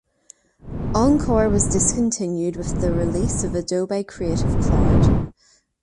Encore was discontinued with the release of Adobe Creative Cloud.